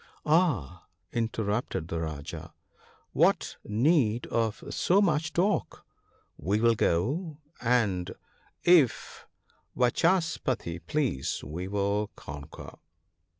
" Ah !" interrupted the Rajah, " what need of so much talk ? We will go, and, if Vachaspati ( 8d ) please, we will conquer."